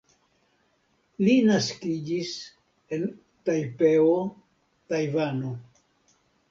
Li naskiĝis en Tajpeo, Tajvano.